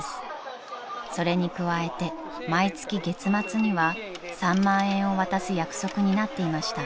［それに加えて毎月月末には３万円を渡す約束になっていました］